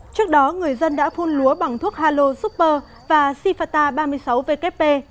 trước đó người dân đã phun lúa bằng thuốc halosuper và sifata ba mươi sáu vkp